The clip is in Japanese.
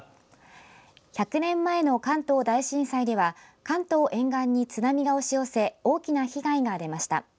１００年前の関東大震災では関東沿岸に津波が押し寄せ大きな被害が出ました。